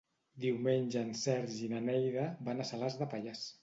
Diumenge en Sergi i na Neida van a Salàs de Pallars.